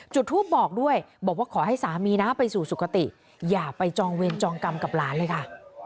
จุดทูปบอกด้วยบอกว่าขอให้สามีนะไปสู่สุขติอย่าไปจองเวรจองกรรมกับหลานเลยค่ะ